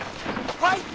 はい！